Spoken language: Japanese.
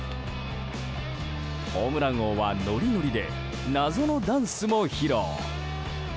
ホームラン王は、ノリノリで謎のダンスも披露。